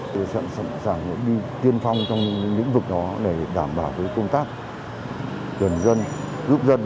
chúng tôi sẵn sàng đi tiên phong trong những vực đó để đảm bảo công tác gần dân giúp dân